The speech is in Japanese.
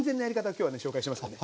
今日はね紹介しますからね。